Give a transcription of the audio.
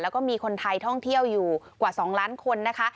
แล้วก็มีคนไทยท่องเที่ยวอยู่กว่า๒ล้านคนนะคะ